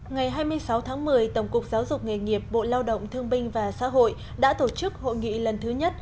ngày hai mươi sáu tháng một mươi tổng cục giáo dục nghề nghiệp bộ lao động thương binh và xã hội đã tổ chức hội nghị lần thứ nhất